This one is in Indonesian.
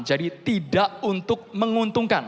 jadi tidak untuk menguntungkan